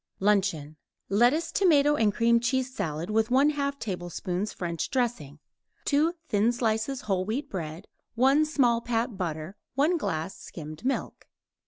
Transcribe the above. LUNCHEON Lettuce, tomato and cream cheese salad, with 1/2 tablespoon French dressing; 2 thin slices whole wheat bread; 1 small pat butter; 1 glass skimmed milk.